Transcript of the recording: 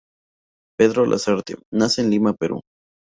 Pedro Lasarte, nace en Lima, Perú.